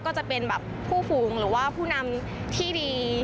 ก็จะเป็นแบบผู้ฝูงหรือว่าผู้นำที่ดี